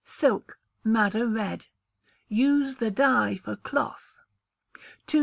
Silk (Madder Red). Use the dye for cloth. 2710.